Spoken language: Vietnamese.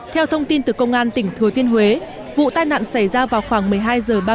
theo thông tin từ công an tỉnh thừa thiên huế vụ tai nạn xảy ra vào khoảng một mươi hai h ba mươi